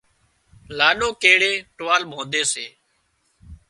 لاڏو ڪيڙئي ٽووال ٻانڌي سي